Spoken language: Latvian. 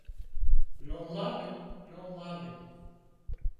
Nu labi, nu labi!